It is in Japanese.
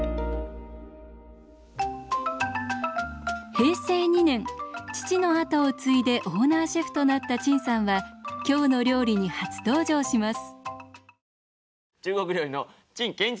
平成２年父の後を継いでオーナーシェフとなった陳さんは「きょうの料理」に初登場します。